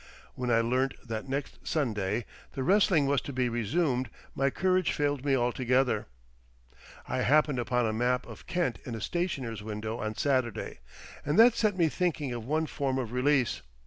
When I learnt that next Sunday the wrestling was to be resumed, my courage failed me altogether. I happened upon a map of Kent in a stationer's window on Saturday, and that set me thinking of one form of release.